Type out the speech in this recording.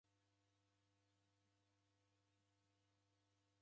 Ni nicha kuw'ika momu.